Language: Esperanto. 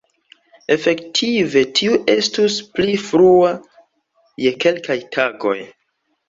Efektive tiu estus pli frua je kelkaj tagoj.